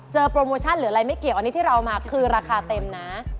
โปรโมชั่นหรืออะไรไม่เกี่ยวอันนี้ที่เราเอามาคือราคาเต็มนะ